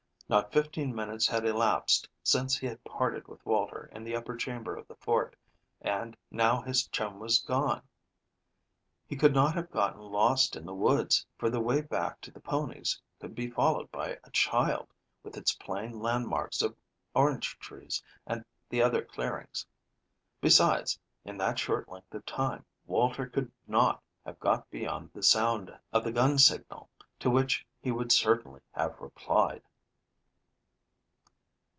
Not fifteen minutes had elapsed since he had parted with Walter in the upper chamber of the fort, and now his chum was gone. He could not have gotten lost in the woods, for the way back to the ponies could be followed by a child, with its plain landmarks of orange trees and the other clearings. Besides, in that short length of time, Walter could not have got beyond the sound of the gun signal, to which he would certainly have replied.